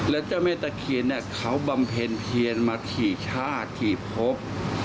แล้วเจ้าแม่ตะเคียนเขาบำเพ็ญเพียนมาขี่ชาติขี่พบ